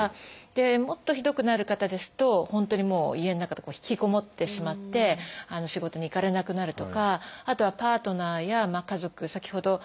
もっとひどくなる方ですと本当にもう家の中とか引きこもってしまって仕事に行かれなくなるとかあとはパートナーや家族先ほど大和田さん